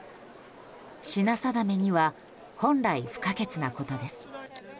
品定めには本来、不可欠なことです。